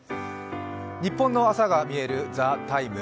ニッポンの朝がみえる「ＴＨＥＴＩＭＥ，」